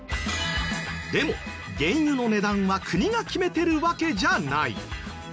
でも原油の値段は国が決めてるわけじゃない。